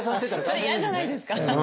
それ嫌じゃないですか？